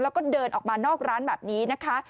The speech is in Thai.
แล้วก็เดินออกมานอกร้านแบบนี้นะคะ